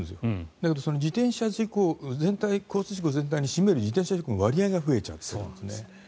だけど交通事故全体に占める自転車事故の割合が増えちゃってるんですね。